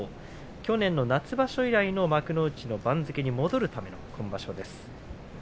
去年の夏場所以来の幕内の番付に戻るための今場所です。